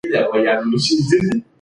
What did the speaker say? د درد مخنیوي مخکې درمل اثر کوي.